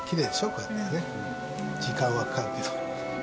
こうやってね時間はかかるけど。